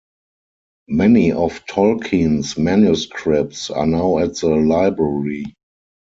Many of Tolkien's manuscripts are now at the library.